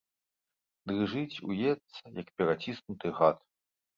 Дрыжыць, уецца, як пераціснуты гад.